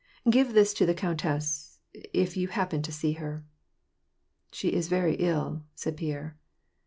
" Give this to the countess — if you happen to see her." " She is very ill," said Pierre.